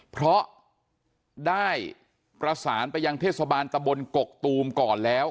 เพราะได้ประสานไปยังเทศบาลตะบนกกตูมก่อนแล้ว